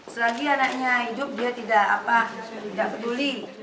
selagi anaknya hidup dia tidak peduli